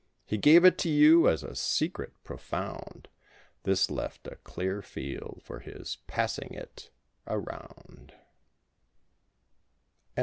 He gave it to you as a secret profound; This left a clear field for his passing it round.